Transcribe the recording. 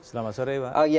selamat sore pak